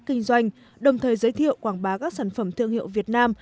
kinh doanh đồng thời giới thiệu quảng bá các sản phẩm thương hiệu việt nam